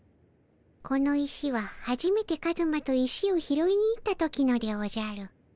この石ははじめてカズマと石を拾いに行った時のでおじゃる。